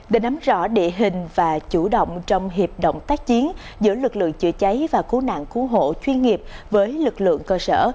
để nắm rõ địa hình và chủ động trong hiệp động tác chiến giữa lực lượng chữa cháy và cứu nạn cứu hộ chuyên nghiệp với lực lượng cơ sở